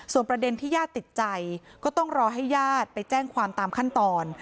ประเด็นที่ญาติติดใจก็ต้องรอให้ญาติไปแจ้งความตามขั้นตอน